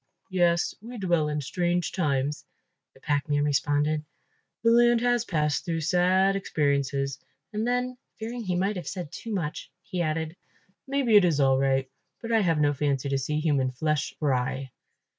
"Yes, we dwell in strange times," the packman responded, "the land has passed through sad experiences," and then, fearing he might have said too much, he added, "Maybe it is all right, but I have no fancy to see human flesh fry."